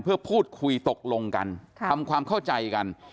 เพื่อพูดคุยตกลงกันทำความเข้าใจกัน